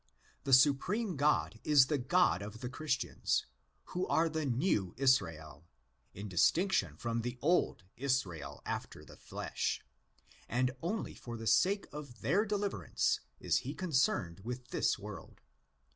The supreme God is the God of the Christians, who are the new Israel, in distinction from the old "Israel after the flesh''; and only for the sake of their deliverance is he concerned with this world.